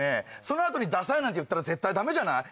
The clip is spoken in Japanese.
その後に「ダサい」なんて言ったら絶対ダメじゃない？